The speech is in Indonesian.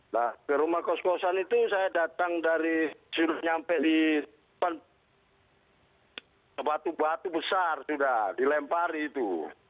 nah ke rumah kos kosan itu saya datang dari surup sampai di tempat batu batu besar sudah dilempar itu